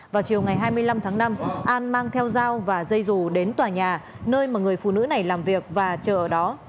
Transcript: vào chiều ngày hai mươi năm tháng năm an mang theo dao và dây rù đến tòa nhà nơi mà người phụ nữ này làm việc và chờ ở đó